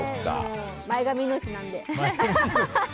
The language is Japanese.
前髪、命なので。